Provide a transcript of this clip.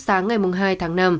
sáng ngày hai tháng năm